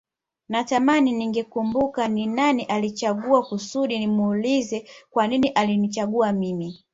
Natamani ningekumbuka ni nani alinichagua kusudi nimuulize kwa nini alinichagua mimi